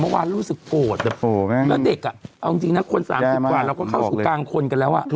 เราเข้าซู่กลางคนกันแล้ว